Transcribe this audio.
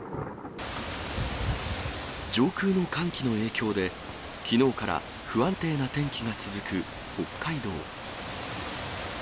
上空の寒気の影響で、きのうから不安定な天気が続く北海道。